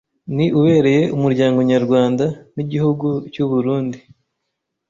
ni ubereye umuryango Nyarwanda n’igihugu cy’u Burunnd